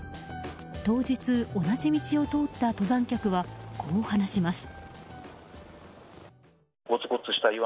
当日、同じ道を通った登山客はこう話します。